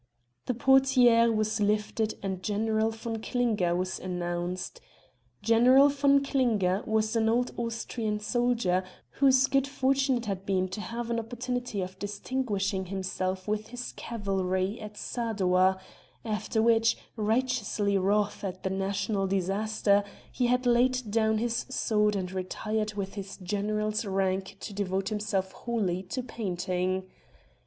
The portière was lifted and General von Klinger was announced. General von Klinger was an old Austrian soldier whose good fortune it had been to have an opportunity of distinguishing himself with his cavalry at Sadowa, after which, righteously wroth at the national disaster, he had laid down his sword and retired with his General's rank to devote himself wholly to painting.